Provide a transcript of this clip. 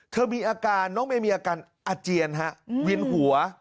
เธอมีอาการน้องเมย์มีอาการอาเจียนฮะเวียนหัว